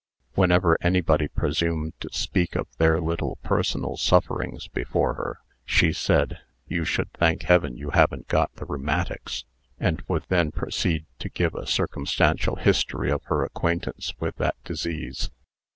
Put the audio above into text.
Whenever anybody presumed to speak of their little personal sufferings before her, she said: "You should thank Heaven you haven't got the rheumatics," and would then proceed to give a circumstantial history of her acquaintance with that disease.